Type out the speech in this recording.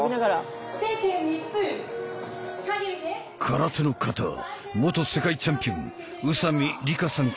空手の形元世界チャンピオン宇佐美里香さん